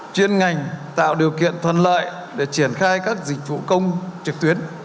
chuyên ngành tạo điều kiện thuận lợi để triển khai các dịch vụ công trực tuyến